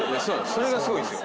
それがすごいんすよ。